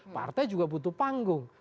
partai juga butuh panggung